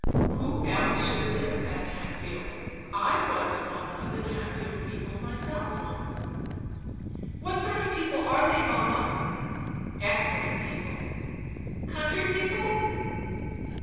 "Who else should live at Tanfield. I was one of the Tanfield people myself once." "What sort of people are they, mamma?" "Excellent people." "Country people!